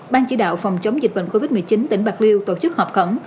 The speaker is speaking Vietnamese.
ban chỉ đạo phòng chống dịch bệnh covid một mươi chín tỉnh bạc liêu tổ chức họp khẩn